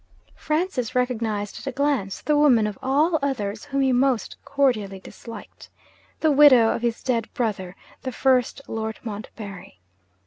Francis recognised at a glance the woman of all others whom he most cordially disliked the widow of his dead brother, the first Lord Montbarry.